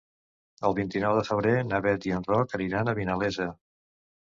El vint-i-nou de febrer na Beth i en Roc aniran a Vinalesa.